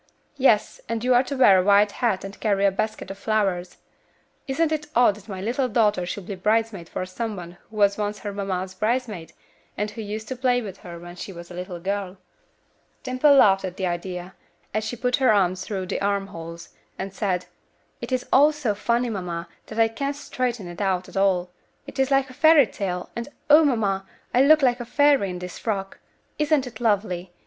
"Yes, and you are to wear a white hat and carry a basket of flowers. Isn't it odd that my little daughter should be bridesmaid for some one who was once her mamma's bridesmaid, and who used to play with her when she was a little girl?" Dimple laughed at the idea, as she put her arms through the arm holes, and said, "It is all so funny, mamma, that I can't straighten it out at all. It is like a fairy tale, and, O! mamma, I look like a fairy in this frock. Isn't it lovely?